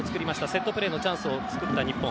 セットプレーのチャンスを作った日本。